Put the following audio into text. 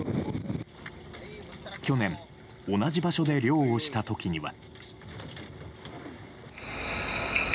去年、同じ場所で漁をした時には。